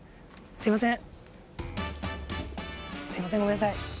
すいません。